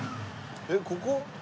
えっここ？